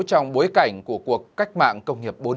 trong bối cảnh của cuộc cách mạng công nghiệp bốn